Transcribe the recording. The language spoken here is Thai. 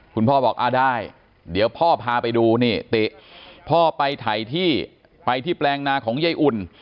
คุณพ่อบอกอ่าได้เดี๋ยวพ่อพาไปดูนี่ติพ่อไปถ่ายที่ไปที่แปลงนาของยายอุ่น